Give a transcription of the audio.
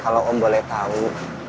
kalau om boleh tau